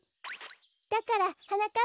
だからはなかっ